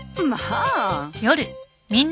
まあ。